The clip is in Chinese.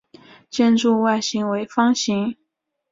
建筑外形为方形。